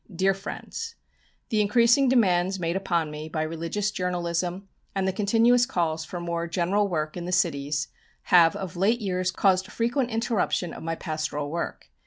"Dear Friends "The increasing demands made upon me by religious journalism, and the continuous calls for more general work in the cities, have of late years caused frequent interruption of my pastoral work.